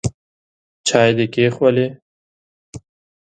چای دي کښېښوولې ؟